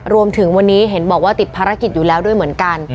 รวมถึงวันนี้เห็นบอกว่าติดภารกิจอยู่แล้วด้วยเหมือนกัน